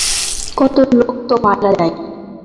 কত লোক তো মারা যায়।